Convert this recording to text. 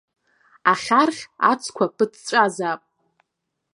Ахьархь ацқәа ԥыҵәҵәазаап.